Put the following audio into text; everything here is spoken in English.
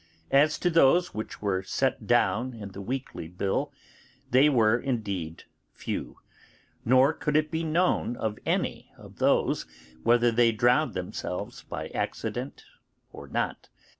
As to those which were set down in the weekly bill, they were indeed few; nor could it be known of any of those whether they drowned themselves by accident or not.